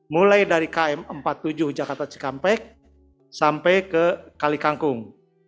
mulai dari km empat puluh tujuh jakarta cikampek sampai ke kali kangkung